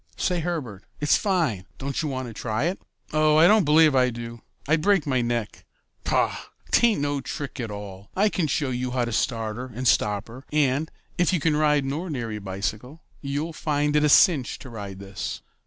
Say, Herbert, it's fine. Don't you want to try it?" "Oh, I don't believe I do. I'd break my neck." "Paugh! 'Tain't no trick at all. I can show you how to start her and stop her, and, if you can ride an ordinary bicycle, you'll find it a cinch to ride this.